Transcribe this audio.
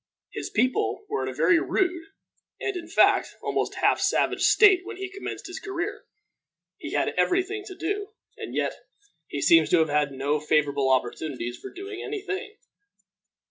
His people were in a very rude, and, in fact, almost half savage state when he commenced his career. He had every thing to do, and yet he seems to have had no favorable opportunities for doing any thing.